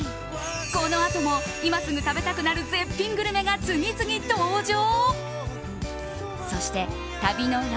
このあとも今すぐ食べたくなる絶品グルメが次々登場。